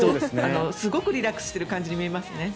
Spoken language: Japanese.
すごくリラックスしてる感じに見えますよね。